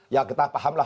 ya kita pahamlah